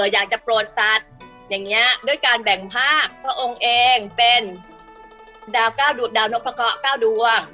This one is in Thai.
อยากจะโปรดสัตว์อย่างนี้ด้วยการแบ่งภาคพระองค์เองเป็นดาว๙ดาวนพเกาะ๙ดวง